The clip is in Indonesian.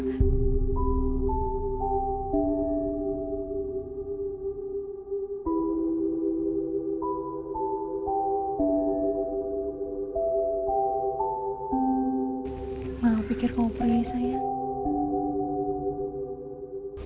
tata kamu lagi tidur sama ayah kamu